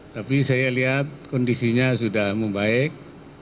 tapi saya lihat kondisinya sudah membaik